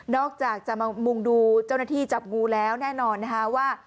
อกจากจะมามุงดูเจ้าหน้าที่จับงูแล้วแน่นอนนะคะว่า